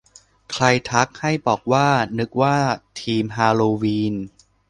ใครทัก ให้บอกว่า นึกว่าธีมฮาโลวีน